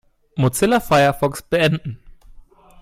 Mozilla Firefox beenden.